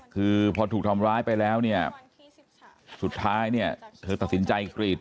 คือพอถูกทำร้ายไปแล้วเนี่ยสุดท้ายเนี่ยเธอตัดสินใจกรีด